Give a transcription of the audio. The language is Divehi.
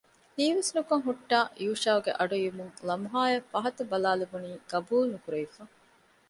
ހީވެސް ނުކޮށް ހުއްޓާ ޔޫޝައުގެ އަޑު އިވުމުން ލަމްހާއަށް ފަހަތަށް ބަލާލެވުނީ ޤަބޫލުނުކުރެވިފަ